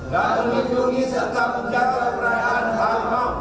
dan melindungi serta menjaga keberadaan harimau